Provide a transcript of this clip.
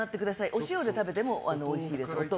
お塩で食べてもおいしいです。